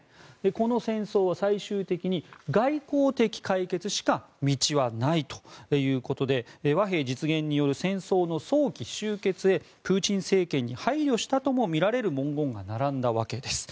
この戦争は最終的に外交的解決しか道はないということで和平実現による戦争の早期終結へプーチン政権に配慮したともみられる文言が並んだわけです。